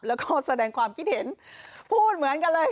แล้วก็แสดงความคิดเห็นพูดเหมือนกันเลย